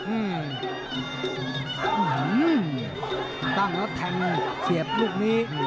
อืมตั้งแล้วแทงเสียบลูกนี้